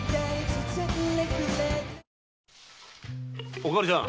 ・おかるちゃん